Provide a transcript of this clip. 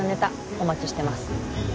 お待ちしてます